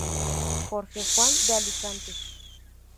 Jorge Juan de Alicante.